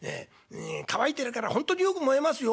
乾いてるからほんとによく燃えますよ。